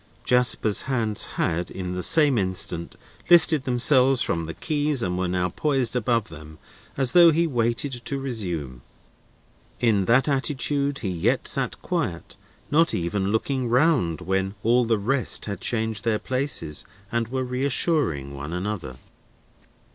Jasper's hands had, in the same instant, lifted themselves from the keys, and were now poised above them, as though he waited to resume. In that attitude he yet sat quiet: not even looking round, when all the rest had changed their places and were reassuring one another.